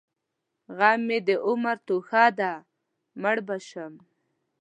غم مې د عمر توښه ده؛ مړ به شم.